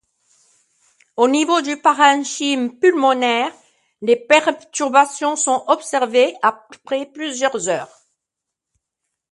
Au niveau du parenchyme pulmonaire, les perturbations sont observées après plusieurs heures.